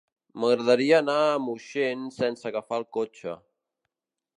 M'agradaria anar a Moixent sense agafar el cotxe.